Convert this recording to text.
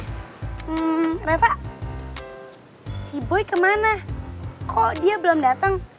hmm ternyata si boy kemana kok dia belum datang